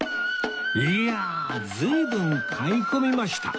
いやあ随分買い込みました